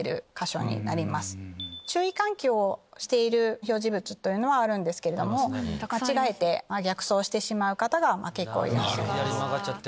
注意喚起をしている表示物はあるんですけど間違えて逆走してしまう方が結構いらっしゃいます。